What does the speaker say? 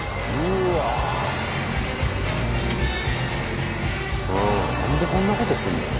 うん何でこんなことすんのよ。